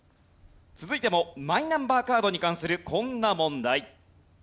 続いてもマイナンバーカードに関するこんな問題。